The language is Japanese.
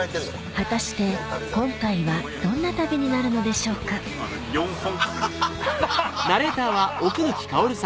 果たして今回はどんな旅になるのでしょうか４本。